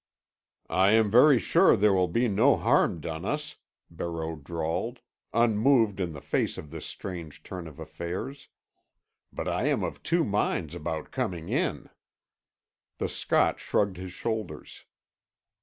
"I am very sure there will be no harm done us," Barreau drawled, unmoved in the face of this strange turn of affairs. "But I am of two minds about coming in." The Scot shrugged his shoulders.